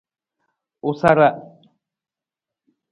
U sara.